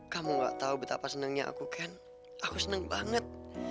kamu gak tahu betapa senangnya aku kan aku senang banget